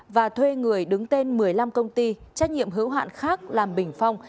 và thuê người đứng tên một mươi năm công ty trách nhiệm hữu hạn khác làm bình phong